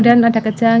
dan ada kejang